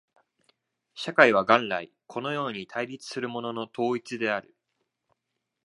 社会は元来このように対立するものの統一である。